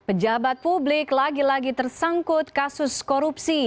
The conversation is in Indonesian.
pejabat publik lagi lagi tersangkut kasus korupsi